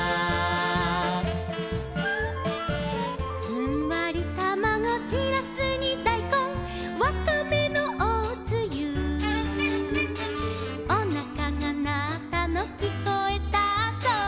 「ふんわりたまご」「しらすにだいこん」「わかめのおつゆ」「おなかがなったのきこえたぞ」